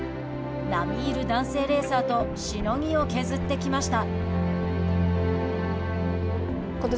並みいる男性レーサーとしのぎを削ってきました。